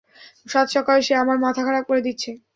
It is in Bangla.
সাত সকালে সে আমার মাথা খারাপ করে দিচ্ছে।